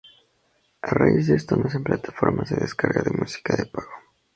A raíz de esto nacen plataformas de descarga de música de pago.